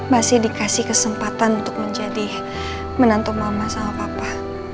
masih dikasih kesempatan untuk menjadi menantu mama sama papa